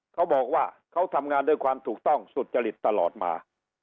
เขาบอกว่าเขาทำงานด้วยความถูกต้องสุจริตตลอดมา